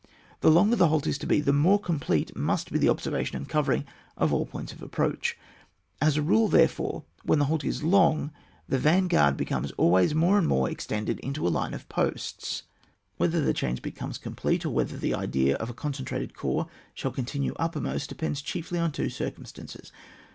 The longer the halt is to be the more com plete must be the observation and cover ing of all points of approach. As a rule, therefore, when the halt is long, the van guard becomes always more and more extended into a line of posts. Whether OHAP. VIII.] MODE OF ACTION OF ADVANCED CORPS. 25 the change becomes complete, or whether the idea of a concentrated corps shall continue uppermost, depends chiefly on two circumstances.